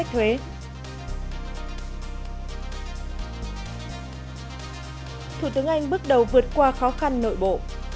thủ tướng anh bước đầu vượt qua khó khăn nội bộ